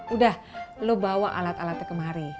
udah lo bawa alat alatnya kemari